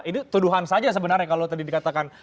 ini tuduhan saja sebenarnya kalau tadi dikatakan